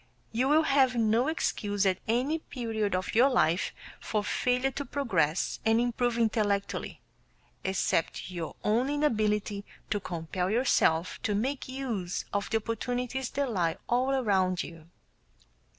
You will have no excuse at any period of your life for failure to progress and improve intellectually, except your own inability to compel yourself to make use of the opportunities that lie all around you.